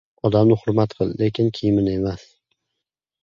• Odamni hurmat qil, lekin kiyimini emas.